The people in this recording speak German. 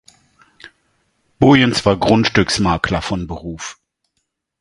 Boyens war Grundstücksmakler von Beruf.